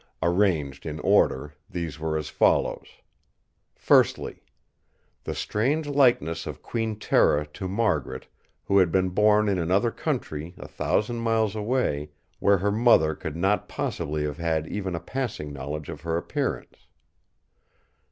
Arranged in order these were as follows: Firstly: the strange likeness of Queen Tera to Margaret who had been born in another country a thousand miles away, where her mother could not possibly have had even a passing knowledge of her appearance.